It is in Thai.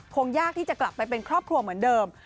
คงยากที่จะกลับไปเป็นครอบครัวเหมือนเดิม